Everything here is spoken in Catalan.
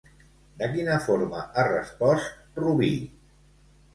De quina forma ha respost Rubí?